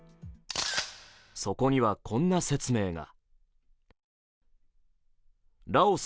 そこには、こんな説明が。